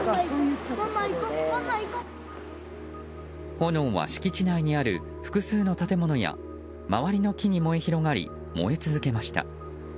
炎は敷地内にある複数の建物や周りの木に燃え広がり燃え続けました。